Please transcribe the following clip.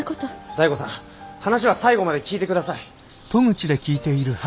醍醐さん話は最後まで聞いて下さい。